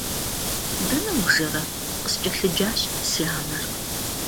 Дэнэ ужэрэ? – къыскӀэлъыджащ си анэр.